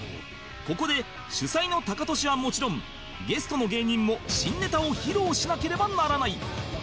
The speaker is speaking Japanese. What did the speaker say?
ここで主催のタカトシはもちろんゲストの芸人も新ネタを披露しなければならない